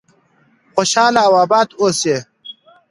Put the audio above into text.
خوشحاله او آباد اوسئ.